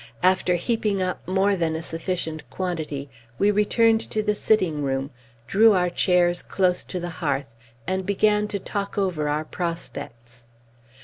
After heaping up more than a sufficient quantity, we returned to the sitting room, drew our chairs close to the hearth, and began to talk over our prospects.